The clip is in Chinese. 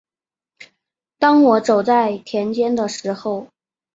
当我走在田间的时候